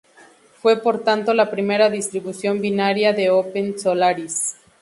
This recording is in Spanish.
Fue por tanto la primera distribución binaria de OpenSolaris.